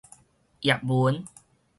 葉門